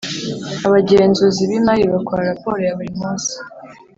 Abagenzuzi b imari bakora raporo ya buri munsi